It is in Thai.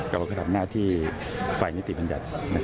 เราก็ทำหน้าที่ฝ่ายนิติบัญญัติ